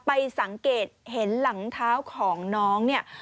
ไปสังเกตเห็นหลังเท้าของน้องเนี่ย